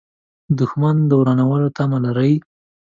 دښمن د ورانولو تمه لري